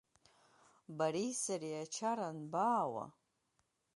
Бареи сареи ачара анбаауа?